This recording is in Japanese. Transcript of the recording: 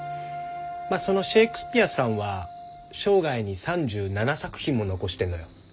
まあそのシェークスピヤさんは生涯に３７作品も残してんのよ。